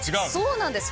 そうなんです。